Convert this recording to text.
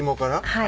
はい。